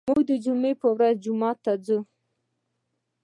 موږ د جمعې په ورځ جومات ته ځو.